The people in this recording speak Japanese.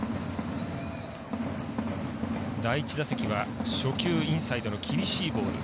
第１打席は初球、インサイドの厳しいボール。